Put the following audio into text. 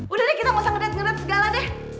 udah deh kita ga usah ngedate ngedate segala deh